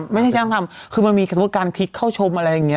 ไม่ใช่แค่ต้องทำคือมันมีการคลิกเข้าชมอะไรอย่างเนี้ย